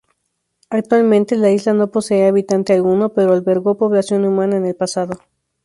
Actualmente la isla no posee habitante alguno, pero albergó población humana en el pasado.